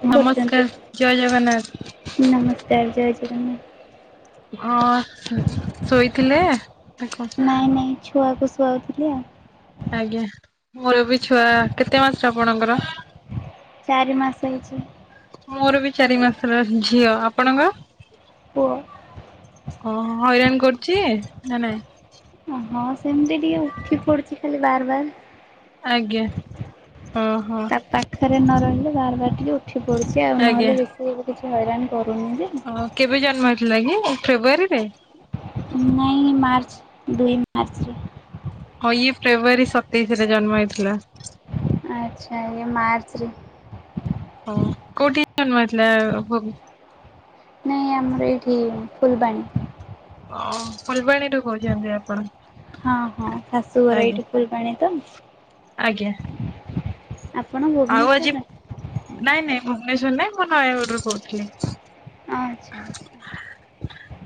କଁ କରୁଚନ୍ତି ନମସ୍କାର ଜୟ ଜଗନ୍ନାଥ ନମସ୍କାର ଜୟ ଜଗନ୍ନାଥ। ହଁ ଶୋ ଶୋଇଥିଲେ। ନାଇଁ ନାଇଁ ଛୁଆକୁ ଶୁଆଉଥିଲି ଆଉ। ମୋରୋ ବି ଛୁଆ କେତେ ମାସରେ ଆପଣଙ୍କର ଚାରି ମାସେ ହେଇଛି। ହେରା ଝିଅ ଆପଣଙ୍କର। ପୁଅ। ଓହୋ ହଇରାଣ କରୁଚି ନା ନାଇଁ। ଓ ହଁ ସେମିତି ଟିକେ ଉଠି ପଡୁଛି ଖାଲି ବାର ବାର। ଆଜ୍ଞା ଅହଁ। ନ୍ ନ ରହିଲେ ବାର ବାର ଟିକେ ଉଠି ପଡ଼ୁଛି ଆଉ ଆଜ୍ଞା ନହେଲେ ବେଶୀ କିଛି ହଇରାଣ କରୁନି ଯେ। ଉଠିଲା କି ଫେବୃଆରୀ ରେ। ନାଇଁ ମାର୍ଚ୍ଚ ଦୁଇ ମାର୍ଚ୍ଚରେ। ହଁ ଇଏ ଫେବୃଆରୀ ସତେଇଶ ରେ ଜନ୍ମ ହେଇଥିଲା। ଆଚ୍ଛା ଇଏ ମାର୍ଚ୍ ରେ। ହଁ କୋଉଠି ଜନ୍ମ ହେଇଥିଲା ଭୋଗ୍। ଏଠି ଫୁଲବାଣୀ। ଓଁ। ଫୁଲବାଣୀରୁୁ କୋହୁଚନ୍ତି ଆପଣ ହଁ ହଁ ଶାଶୁଘର ଆଜ୍ଞା। ଏଇଠି ଫୁଲବାଣୀ ତ ଆଜ୍ଞା। ଆପଣ ଆଉ ଆଜି ଭୁବନେଶ୍ୱରରେ? ନାଇଁ ନାଇଁ ଭୁବନେଶ୍ଵର ନାଇଁ ମୁଁ ନୟାଗଡ଼ରୁ କହୁଥିଲି। ଆଛା ଆଛା।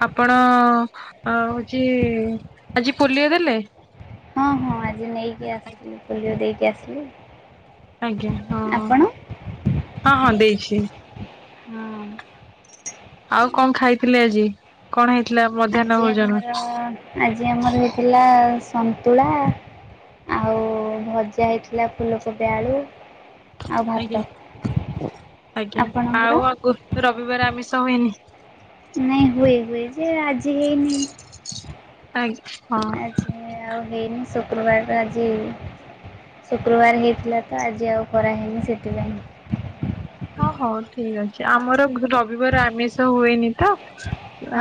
ଆପଣ ହଉଛି ଆଜି ପୋଲିଓ ଦେଲେ? ହଁ ହଁ ଆଜି ନେଇକି ଆସିଥିଲି ପୋଲିଓ ଦେଇକି ଆସିଲି। ଆଜ୍ଞା ହଁ ଆପଣ? ହଁ ହଁ ଦେଇଛି। ହଁ। ଆଉ କଣ ଖାଇଥିଲେ ଆଜି? କଣ ହେଇ ଆଜି ଆମର ଆଜି ଆମର ହେଇଥିଲା ସନ୍ତୁଳା ଆଉ ଭଜା ହେଇଥିଲା। ଫୁଲକୋବି ଆଳୁ ଆଉ ଭାତ। ଆଜ୍ଞା ଆଜ୍ଞା ଆପଣଙ୍କର? ଆଉ ଆଗୁରୁ ରବିବାର ଆମିସ ହୁଏନି। ନାଇଁ ହୁଏ ହୁଏ ଯେ ଆଜି ହେଇନି। ଆଜ୍ଞା। ହଁ ଆଜି ଆଉ ହେଇନି ଶୁକ୍ରବାରରୁ ଆଜି ଶୁକ୍ରବାର ହେଇଥିଲା। ତ ଆଜି ଆଉ କରାହେନି ସେଥିପାଇଁ ଓ ହଉ ଠିକ ଅଛି ଆମର ରବିବାର ଆମିଷ ହୁଏନି ତ।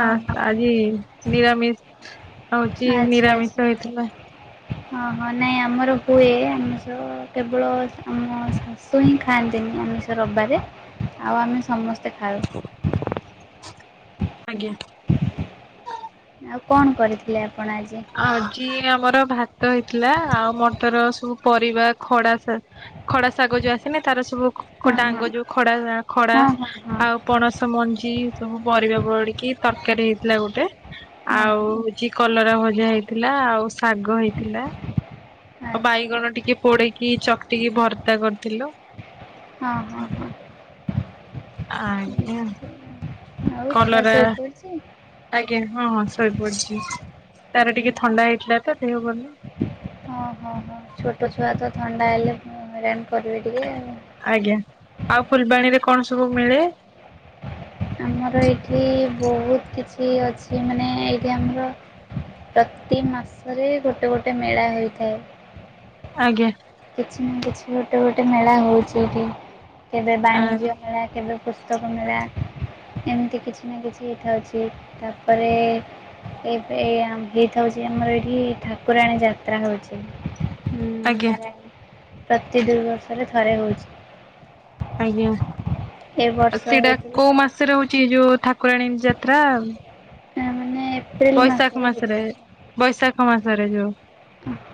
ଆ ଆଜି ନିରାମିଷ୍ ହଉଛି ନିରାମିଷ ହେଇଥିଲା। ଓହଁ ନାଇଁ ଆମର ହୁଏ। ଆମ କେବଳ ଆମ ଶାଶୁ ହିଁ ଖାଆନ୍ତି। ଆମିଷ ରବିବାରେ ଆଉ ଆମେ ସମସ୍ତେ ଖାଉ। ଆଜ୍ଞା। ଆଉ କଣ କରିଥିଲେ? ଆପଣ ଆଜି? ଆଜି ଆମର ଭାତ ହେଇଥିଲା। ଆଉ ମଟର ସବୁ ପରିବା, ଖଡା ଖଡା ଶାଗ ଯୋ ଆସନି, ତାର ହଁ ସବୁ ହଁ ଡାଙ୍ଗ ଯୋଉଁ ।ଖଡା ଖଡା ହଁ ହଁ ହଁ ଆଉ ପଣସ ମଞ୍ଜି ସବୁ ପରିବା ପଡିକି ତରକାରୀ ହେଇ ଥିଲା ଗୋଟେ ହଁ ।ଆଉ ହଁ ହଉଛି କଲରା ଭଜା ହେଇଥିଲା। ଆଉ ଶାଗ ହେଇଥିଲା। ଆଉ ଆଚ୍ଛା ବାଇଗଣ ଟିକେ ପୋଡେଇକି, ଚକଟିକି ଭର୍ତା କରିଥିଲୁ। ହଁ, ହଁ, ହଁ। ଆଜ୍ଞା। ଆଉ ଛୁଆ କଲରା ଶୋଇପଡ଼ିଛି? ଆଜ୍ଞା। ହଁ ହଁ ।ଶୋଇପଡିଛି ତାର ଟିକେ ଥଣ୍ଡା ହେଇଥିଲା ତ। ଦେହ ଭଲ ନାଇଁ ଓଁ ହଁ ହଁ। ଛୋଟ ଛୁଆ ତ ଥଣ୍ଡା ହେଲେ କରିବେ ଟିକେ ଆଉ। ଆଜ୍ଞା। ଆଉ ଫୁଲବାଣୀରେ କଣ ସବୁ ମିଳେ? ଆମର ଏଇଠି ବହୁତ କିଛି ଅଛି। ମାନେ ଏଇଠି ଆମର ପ୍ରତି ମାସରେ ଗୋଟେ ଗୋଟେ ମେଳା ହୋଇଥାଏ। ଆଜ୍ଞା। କିଛି ଗୋଟେ ଗୋଟେ ମେଳା ହେଉଛି ଏଠି। କେବେ ଆ ବାଣିଜ୍ୟ ମେଳା, କେବେ ପୁସ୍ତକ ମେଳା ।ଏମିତି କିଛି ନା କିଛି ହେଇଥାଉଛି ।ତାପରେ ଏବେ ହେଇଥାଉଛି ।ଆମର ଏଇଠି ଠାକୁରାଣୀ ଯାତ୍ରା ହେଉଛି। ଆଜ୍ଞା। ନାରାୟଣୀ ପ୍ରତି ଦୁଇ ବର୍ଷରେ ଥରେ ହେଉଛି। ଆଜ୍ଞା। ଏ ବର୍ଷ ଆଉ ସେଇଟା କୋଉଁ ହେଇଥିଲା ମାସରେ ହେଉଚି। ଯୋଉଁ ଠାକୁରାଣୀ ଯାତ୍ରା। ହଁ । ମାନେ ଏପ୍ରିଲ ବୈଶାଖ ମାସରେ ହେଇଥାଉଛି ।ବୈଶାଖ ମାସରେ ଯୋଉଁ।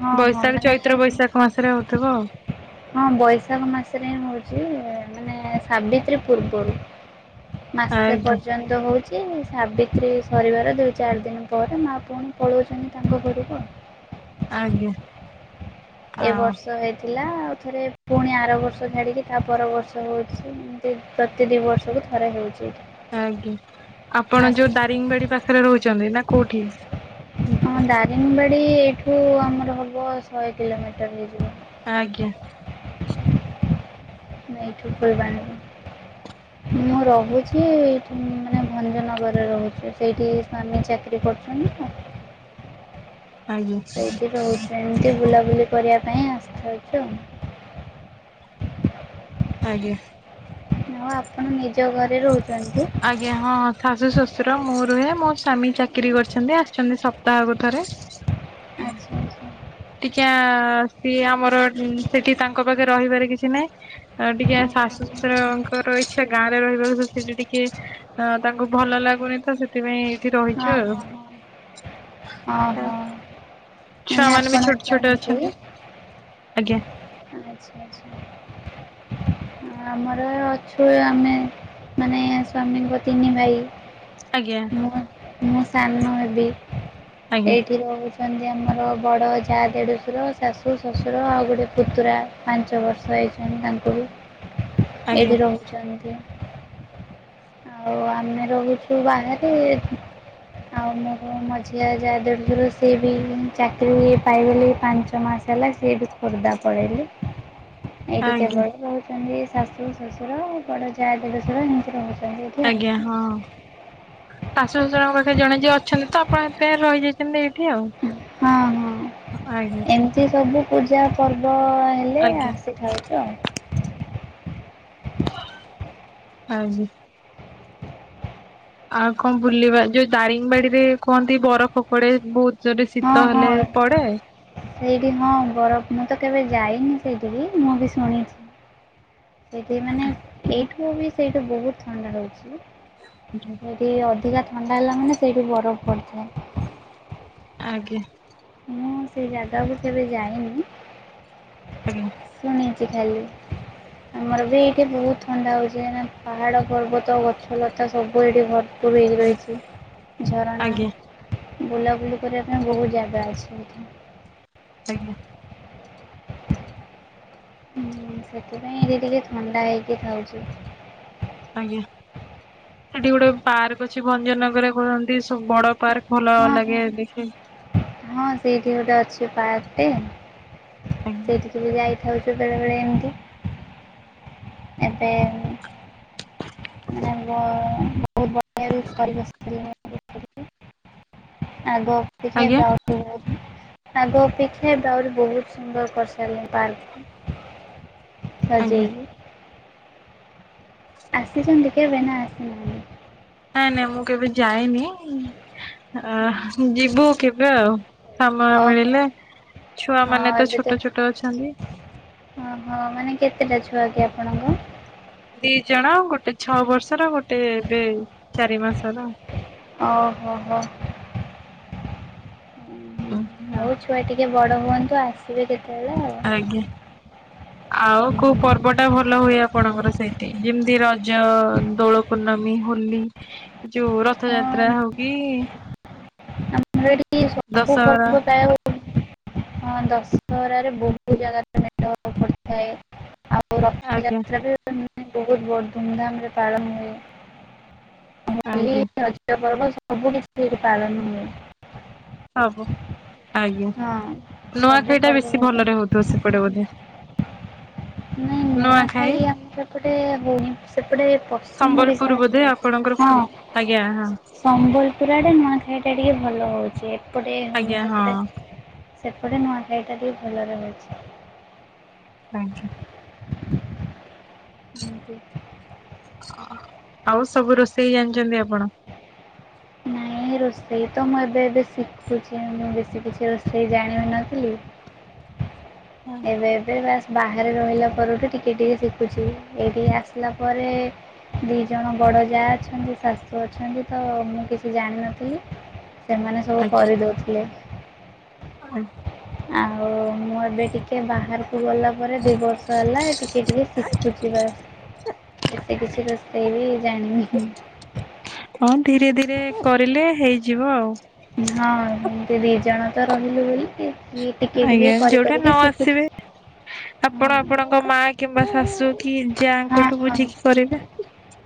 ହଁ ହଁ ବୈଶାଖ ମାନେ ଚୈତ୍ର, ବୈଶାଖ ମାସରେ ହଉଥିବ ଆଉ। ହଁ ।ବୈଶାଖ ମାସରେ ହ୍ନି ହଉଛି। ମାନେ ସାବିତ୍ରୀ ପୂର୍ବରୁ ।ମାସେ ଆଜ୍ଞା ପର୍ଯ୍ୟନ୍ତ ହଉଛି। ଯେ ସାବିତ୍ରୀ ସରିବାର ଦୁଇ ଚାରି ଦିନ ପରେ ମାଆ ପୁଣି ପଳାଉଛନ୍ତି ତାଙ୍କ ଘରକୁ। ଆଜ୍ଞା। ଏ ଆଉ ବର୍ଷ ଥିଲା ଆଉ ଥରେ ପୁଣି ଆର ବର୍ଷ ଛାଡ଼ିକି ତା ପର ବର୍ଷ ହେଉଛି ଏମିତି ପ୍ରତି ଦୁଇ ବର୍ଷକୁ ଥରେ ହଉ ଆଜ୍ଞା ଆପଣ ଯୋଉ ଦାରିଙ୍ଗବାଡି ପାଖରେ ରହୁଛନ୍ତି ନା କୋଉଠି? ଆମ ହୁଁ। ଦାରିଙ୍ଗବାଡ଼ି ଏଇଠୁ ଆମର ହେବ ଶହେ କିଲୋମିଟର ହେଇଯିବ। ଆଜ୍ଞା। ଏଇଠୁ ଫୁଲବାଣୀରୁ। ମୁଁ ରହୁଛି ଏଇଠି ମାନେ ଭଞ୍ଜନଗରରେ ରହୁଛି ସେଇଠି ସ୍ୱାମୀ ଚାକିରିୀ କରୁଛନ୍ତି ତ। ଆଜ୍ଞା ସେଇଠି ରହୁଛି ଏମିତି ବୁବୁ କରିବା ପାଇଁ ଆସିଥାଉଛି। ଆଜ୍ଞା। ହ ଆପଣ ନିଜ ଘରେ ରହୁ ଆଜ୍ଞା ହଁ ଶାଶୁ ଶ୍ୱଶୁର ମୁଁ ରୁହେ ମୋ ସ୍ୱାମୀ ଚାକିରି କରିଛନ୍ତି। ଆସିଛନ୍ତି ସେ ତା କଥାରେ ଆଚ୍ଛା ଆଚ୍ଛା ଟିକେ ସିଏ ଆମର ସେଠି ତାଙ୍କ ପାଖେ ରହିବାର କିଛି ନାହିଁ ଟିକେ ହଁ ହଁ ଶାଶୁ ଶଶୁରଙ୍କର ଇଚ୍ଛା ଗାଁରେ ରହିବାକୁ ସେଇଠି ଟିକେ ଅ ତାଙ୍କୁ ଭଲ ଲାଗୁନି ତ ସେଥିପାଇଁ ହଁ ରହିଛୁ ଆଉ। ହଁ ହଁ ହଁ ହଁ। ଛୁଆ ମାନେ ବି ଆପଣ ଛୋଟ ଛୋଟ ଜଣେକି ଅଛନ୍ତି ଆଜ୍ଞା [inaudible] ଆମର ଅଛୁ ଆମେ ମାନେ ସ୍ଵାମୀଙ୍କ ତିନି ଭାଇ ଆଜ୍ଞା। ମୁଁ ମୁଁ ସାନ ହେବି ଆଜ୍ଞା ଏଇଠି ରହୁଛି। ଅଛନ୍ତି ଆମର ବଡ଼ ଯା ଦେଢଶୁର ଶାଶୁ ଶ୍ୱଶୁର ଆଉ ଗୋଟେ ପୁତୁରା ପାଞ୍ଚ ବର୍ଷ ହେ [unintelligible] ଛନ୍ତି ତାଙ୍କର ଆଜ୍ଞା। ଏଠି ରହୁଛନ୍ତି। ଆଉ ଆମେ ରହୁଛୁ ବାହାରେ ଆଉ ମୋର ମଝିଆ ଯାହା ଦେଢ ସୁର ସେ ବି ଚାକିରି ପାଇଗଲେ ପାଞ୍ଚ ମାସ ହେଲା ସେଇଠି ଖୋର୍ଦ୍ଧା ପଳେଇଲେ। ଏଇଠି ଆଜ୍ଞା କେବଳ ରହୁଛନ୍ତି ଶାଶୁ ଶ୍ୱଶୁର ବଡ ଯାଆ ଦେଢଶୁର ଏମିତି ରହୁଛନ୍ତି। ଏଇଠି ଆଉ। ଆଜ୍ଞା ହଁ [unintelligible] ପାଖରେ ଜଣେ ଯିଏ ଅ ଅଛନ୍ତି ତ ଆପଣ ଏଥିପାଇଁ ରହିଯାଇଛନ୍ତି ଏଇଠି ଆଉ। ହଁ ଆଜ୍ଞା ହଁ ଏମିତି ସବୁ ପୂଜା ପର୍ବ ହଁ ହେଲେ ଆଜ୍ଞା ଆସିଥାଉଛୁ ଆଉ। [inaudible] ଆଜି। ଆଉ କଣ ବୁଲିବା ଯୋଉ ଦାରିଙ୍ଗ ବାଡିରେ କୁହନ୍ତି ବରଫ ପଡେ ବହୁତ ଯୋଠେ ହଁ ଶୀତ ହେଲେ ହଁ ପଡେ? ସେଇଠି ହଁ ବରଫ ମୁଁ ତ କେବେ ଯାଇନି ସେଇଠିକି ମୁଁ ବି ଶୁଣିଛି। ସେଠି ମାନେ ଏଇଠୁ ବି ସେଇଠେ ବହୁତ ଥଣ୍ଡା ରହୁଛି ଆଜ୍ଞା। ସେଠି ଅ ଅଧିକା ଥଣ୍ଡା ହେଲା ମାନେ ସେଠି ବରଫ ପଡିଥାଏ। ଆଜ୍ଞା। ମୁଁ ସେ ଜାଗାକୁ କେବେ ଯାଇନି ଆଜ୍ଞା। [unintelligible] ଆମର ବି ଏଇଠେ ବହୁତ ଥଣ୍ଡା ହଉଛି କାହିଁକି ନା ପାହାଡ ପର୍ବତ ଗଛଲତା ସବୁ ଏଇଠି ଭ [unintelligible] ବିଲି ରହିଛି ଆଜ୍ଞା ଝରଣା ଆଜ୍ଞା ବୁଲାବୁଲି କରିବା ପାଇଁ ବହୁତ ଜାଗା ଅଛି। ସେଈଟି। ଆଜ୍ଞା। ହୁଁ ସେଥିପାଇଁ ଏଇଠି ଟିକେ ଥଣ୍ଡା ହେଇକି ଥାାଉଛି। ଆଜ୍ଞା ସେଠି ଗୋଟେ ପାର୍କ ଅଛି ଭଞ୍ଜନଗରରେ କୁହନ୍ତି ସବୁ ବଡ ପାର୍କ । ହଁ ହଁ ହଁ ସେଇଠି ଗୋଟେ ଅଛି । ପାର୍କ ଟେ ଆଜ୍ଞା ସେଇଠି କି ବି ଯାଇଥାଉଛୁ ବେଳେ ବେଳେ ଏମତି । ଏବେ ଉଁ । ବହୁତ ବଢିଆ ବି ପରିବେଶ [unintelligible] ଆଗ ଅପେକ୍ଷା ଆଜ୍ଞା ଏବେ ଆହୁରି ବହୁତ । ଆଗ ଅପେକ୍ଷା ଏବେ ଆହୁରି ବହୁତ ସୁନ୍ଦର କରି ସାରିଲଣୀ ପାର୍କ କୁ। ଆଜ୍ଞା ସଜେଇକି । ଆସିଛନ୍ତି କେବେ ନା ଆସି ନାହାନ୍ତି। ନାଇଁ ନାଇଁ ମୁଁ କେବେ ଯାଇନିଆ ଅ ହ ଯିବୁ କେବେ ଆଉ । ହଁ ସମୟ ମିଳିଲେ ଛୁଆ ମାନେ ତ ଛୋଟ ଛୋଟ ଅଛନ୍ତି । ଓହୋ ମାନେ କେତେଟା ଛୁଆ କି ଆପଣଙ୍କ । ଦି ଜଣ ଗୋଟେ ଛଅ ବର୍ଷର ଗୋଟେ ଏବେ ଚାରି ମାସର । ଓ ହୋ ହୋ । ଏମିତି ଆଉ ହଉ ଛୁଆ ଟିକେ ବଡ ହୁଅନ୍ତୁ ଆସିବେ କେତେ ଆଜ୍ଞା । ଆଉ କୋଉ ପର୍ବ ଟା ଭଲ ହୁଏ ଆପଣଙ୍କର ସେଇଠି ଯେମିତି ର ଜ ଦୋଳ ପୂର୍ଣ୍ଣମୀ ହୋଲି । ଯୋଉ ହଁ ରଥଯାତ୍ରା ହଉ କି। ଆମର ଏଠି ସବୁ ଦଶହରା ପର୍ବ ପ୍ରାୟ ହୁଏ । ହଁ ଦଶହରାରେ ବହୁତ ଜାଗାରେ ମେଢ଼ ପଡିଥାଏ । ଆଉ ରଥ ଆଜ୍ଞା ଯାତ୍ରା ବି ମାନେ ବହୁତ ବଡ ଧୁମଧାମ ରେ ପାଳନ ହୁଏ । ହୋଲି ଆଜ୍ଞା ରଜ ପର୍ବ ସବୁ କିଛି ଏଠି ପାାଳନ ହୁଏ । ସବୁ। ଆଜ୍ଞା ହଁ। ସବୁ ନୂଆଖାଇ ଟା ବେଶୀ ଭଲରେ ପର୍ବପର୍ବାଣି ହଉଥିବ ସେପଟେ ବୋଧେ। [inaudible] ନାଇଁ ନୂଆ ଖାଇ ନୂଆଖାଇ ଆମର ଏପଟେ ହଉନି ସେପଟେ ପଶ୍ଚିମ ଓଡିଶା ସମ୍ବଲପୁର ଆଡେ ବୋଧେ ହଉଛି ଆପଣଙ୍କର । ଫୁଲ ଆଜ୍ଞା ହଁ ସମ୍ବଲପୁର ଆଡେ ନୂଆଖାଇଟା । ଭଲ ହଉଛି ଏପଟେ ହଉନି ଆଜ୍ଞା ହଁ ସେପଟେ ସେପଟେ ନୂଆ ଖାଇ । ସେପଟେ ବି ଭଲରେ ହଉଛି । ଆଜ୍ଞା । [unintelligible] ଆଉ ସବୁ ରୋଷେଇ ଜାଣିଚନ୍ତି ଆପଣ। ନାଇ । ନାଇ ରୋଷେଇ ତ ମୁଁ ଏବେ ଏବେ ଶିଖୁଛି ମୁଁ ବେଶୀ କିଛି ରୋଷେଇ ଜାଣି ବି ନଥିଲି । ଏବେ ଏବେ ବାସ । ବାହାରେ ରହିଲା ପରଠୁ ଟିକେ ଟିକେ ଶିଖୁଛି ଏଇ ଠିକି ଆସିଲା ପରେ ଦି ଜଣ । ବଡ଼ ଯା ଅଛନ୍ତି ଶାଶୁ ଅଛନ୍ତି ତ ମୁଁ କିଛି ଜାଣିନଥିଲି । ସେମାନେ ସବୁ କରି ଦଉଥିଲେ । ଆ। ଆଉ ମୁଁ ମୁଁ ଏବେ ଟିକେ । ଟିକେ ବାହାରକୁ ଗଲା ପରେ ଦୁଇ ବର୍ଷ ହେଲା ଟିକେ ଟିକେ ଶିଖୁଛି ବାସ୍ । ବେଶୀ କିଛି ରୋଷେଇ ବି ଜାଣିନି । ହଁ ଧୀରେ ଧୀରେ କରିଲେ ହେଇଯିବ ଆଉ। ହଁ ସେମିତି ଦି ଜଣ ତ ରହିଲୁ ବୋଲିକି । ଆଜ୍ଞା ଯୋଉଟା ନ ଆସିବେ । ହଁ ଆପଣ ଆପଣଙ୍କ ମା କିମ୍ବା ଶାଶୁ କି ଯା ହଁ ଙ୍କଠୁ ହଁ ବୁଝିକି କରିବେ।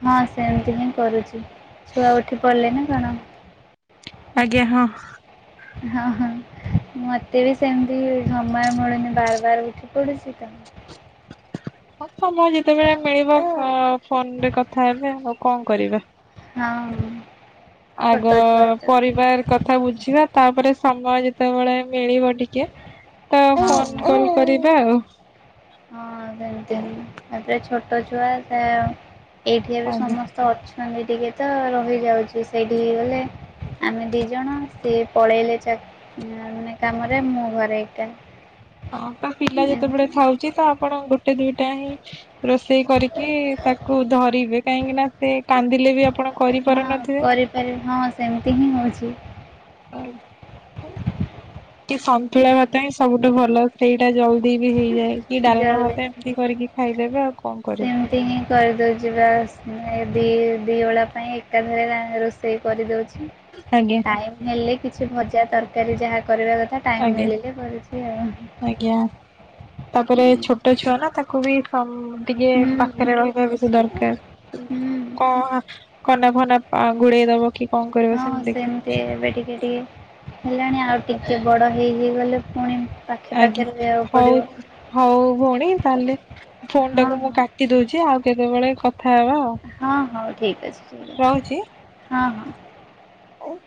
ହଁ ସେମିତି ହିଁ କରୁଛି ଛୁଆ ଉଠି ପଡିଲେ ନା କଣ । ଆଜ୍ଞା ହଁ । ହଁ ହଁ । ମତେ ବି ସେମିତି ସମୟ ମିଳୁନି ବାର ବାର ଉଠି ପଡୁଛି ତେଣୁ ହଁ ସମୟ ଯେତେବେଳେ ମିଳିବ ଫୋ ଫୋନରେ କଥା ହେବେ ଆଉ କଣ କରିବା। ହଁଉ-ଉ ଆଗ ପରିବାର କଥା ବୁଝିବା ତାପରେ ସମୟ ଯେତେବେଳେ ମିଳିବ ଟିକେ ତ ହଉ। ଫୋନ୍ କଲ୍ କରିବା ଆଉ। ହଁ ସେମିତି [inaudible] ତାପରେ ଛୋଟ ଛୁଆ ସେ ଏଇଠି ଏବି ଆଜ୍ଞା। ସମସ୍ତେ ଅଛନ୍ତି ଟିକେ ତ ରହିଯାଉଛି ସେଇଠିକି ଗଲେ ଆମେ ଦି ଜଣ ସିଏ ପଳେଇଲେ ଚା ମାନେ କାମରେ ମୁଁ ଘରେ ଏକା। ହଁ ତ ପିଲା ଯେତେବେଳେ ଏମିତି ଥାଉଛି ତ ଆପଣ ଗୋଟେ ଦୁଇଟା ହିଁ ରୋଷେଇ କରିକି ତାକୁ ଧରିବେ କାହିଁକି ନା ସେ କାନ୍ଦିଲେ ବି ଆପ୍ ହଁ କରିପାରିବି ହଁ ସେମିତି ହିଁ ହଉଛି। କି ସନ୍ତୁଳା ଭାତ ହଁ ସବୁଠୁ ଭଲ ସେଇଟା ଯାଉ [inaudible] ବି ହେଇଯାଏ କି ଡାଲମା ଭାତ ଏମିତି କରିକି ଖାଇଦେବେ ଆଉ କଣ କରିବେ ସେମତି ହିଁ କରିଦଉଛିି ବା ଆସ୍ [inaudible] ଦି ଦି ଓଳା ପାଇଁ ଏକାଥରେ ରା ରୋଷେଇ କରିଦଉଛି। ଆଜ୍ଞା ଟାଇମ୍ ହେଲେ କିଛି ଭଜା ତରକାରୀ ଯାହା କରିବା କଥା ଟାଇମ଼ ଆଜ୍ଞା ମିଳିଲେ କରୁଛି ଆଉ। ଆଜ୍ଞା। ତାପରେ ଛୋଟ ଛୁଆ ନା ତାକ୍ ତାକୁ ବି ସମ୍ ଟିକେ ହୁଁ ପାଖରେ ରହିବା ବେଶୀ ଦରକାର ହୁଁ କଅଁ କନାଫନା ଗୁଡେଇ ଦବ କି କଣ କରିବ ହଁ ସେମିତି ଦେଖିକି ଏବେ ଟିକେ ଟିକେ ହେଲାଣି ଆଉ ଟିକେ ବଡ ହେଇଯିଗଲେ ପୁଣି ପାଖେ ଆଜ୍ଞା, ପାଖେ ରହିବାକୁ ହଉ ପଡ଼ିବ। ହଉ ଭଉଣୀ ତାହେଲେ ହଁ ଫୋନଟାକୁ ମୁଁ କାଟି ଦଉଛି ଆଉ କେତେବେଳେ କଥା ହେବା ଆଉ ହଁ ହଁ ଠିକ୍ ଅଛି ଠିକ୍ ଅଛି ହଁ ହଁ। ଓ [inaudible]